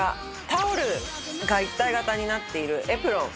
タオルが一体型になっているエプロン。